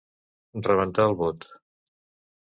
Rebentar el bot.